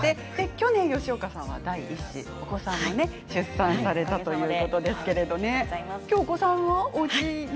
去年は吉岡さんが第一子、お子さんを出産されたということですけれど今日お子さんはおうちに？